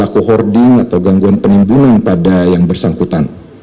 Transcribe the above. kohording atau gangguan penimbunan pada yang bersangkutan